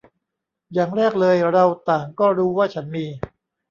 อย่างแรกเลย เราต่างก็รู้ว่าฉันมี